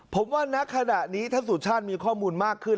ผมว่านี้ข้าด้านนี้ท่านสุชาติมีข้อมูลมากขึ้น